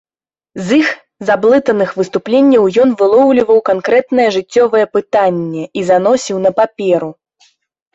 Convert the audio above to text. З іх заблытаных выступленняў ён вылоўліваў канкрэтнае жыццёвае пытанне і заносіў на паперу.